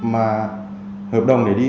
mà hợp đồng để đi